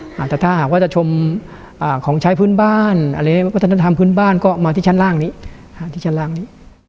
แต่ถ้าหากว่าจะชมของใช้พื้นบ้านอะไรแบบนี้วัฒนธรรมพื้นบ้านก็มาที่ชั้นล่างนี้